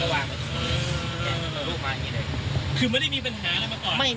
แล้ววางไว้อืมลูกมาอย่างเงี้ยเลยคือไม่ได้มีปัญหาอะไรมาก่อน